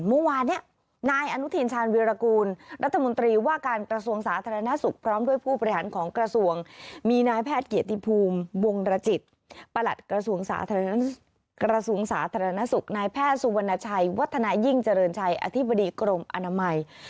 เมื่อวานเนี่ยนายอนุทินชาญวิรากูลรัฐมนตรีว่าการกระทรวงสาธารณสุขพร้อมด้วยผู้บริหารของกระทรวงมีนายแพทย์เกียรติภูมิวงรจิตประหลัดกระทรวงสาธารณสุขนายแพทย์สุวรรณชัยวัฒนายิ่งเจริญชัยอธิบดีกรมอนามัย